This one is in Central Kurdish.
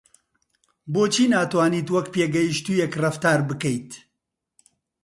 بۆچی ناتوانیت وەک پێگەیشتوویەک ڕەفتار بکەیت؟